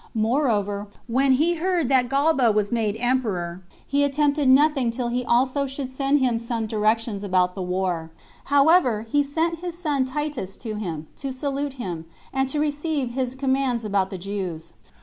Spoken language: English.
Moreover, when he heard that Galba was made emperor, he attempted nothing till he also should send him some directions about the war: however, he sent his son Titus to him, to salute him, and to receive his commands about the Jews.